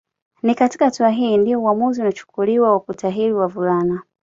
Ni katika hatua hii ndio uamuzi unachukuliwa wa kutahiri wavulana